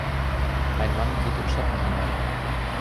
Ein Mann geht in Schatten hinein.